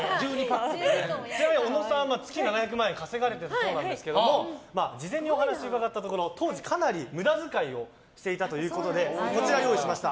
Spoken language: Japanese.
ちなみに小野さんは月７００万円稼がれていたそうなんですが事前にお話を伺ったところ当時かなり無駄遣いをしていたということでこちら用意しました。